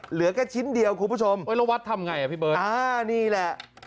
เหลือแค่ชิ้นเดียวคุณผู้ชมแล้ววัดทำไงอ่ะพี่เบิร์ตอ่านี่แหละ